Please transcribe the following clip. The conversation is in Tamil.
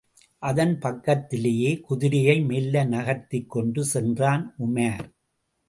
அதன் பக்கத்திலேயே குதிரையை மெல்ல நகர்த்திக் கொண்டு சென்றான் உமார்.